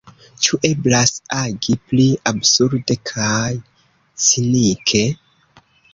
Ĉu eblas agi pli absurde kaj cinike?